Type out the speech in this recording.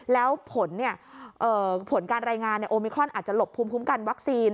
แล้วผลการรายงานโอมิครอนอาจจะหลบภูมิคุ้มกันวัคซีน